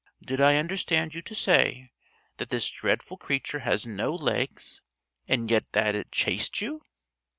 Did I understand you to say that this dreadful creature has no legs, and yet that it chased you?"